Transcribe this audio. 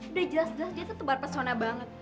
udah jelas jelas dia tuh tebar pesona banget